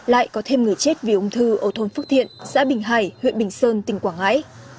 lại có thêm người chết vì ung thư ở thôn phước thiện xã bình hải huyện bình sơn tỉnh quảng ngãi